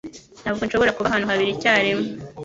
Ntabwo nshobora kuba ahantu habiri icyarimwe